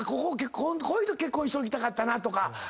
こういうとき結婚しておきたかったなとか。